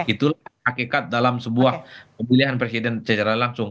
itulah hakikat dalam sebuah pemilihan presiden secara langsung